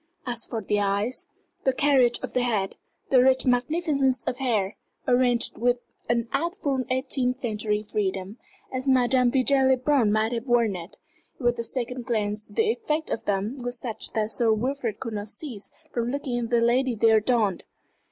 As for the eyes, the carriage of the head, the rich magnificence of hair, arranged with an artful eighteenth century freedom, as Madame Vigée Le Brun might have worn it with the second glance the effect of them was such that Sir Wilfrid could not cease from looking at the lady they adorned.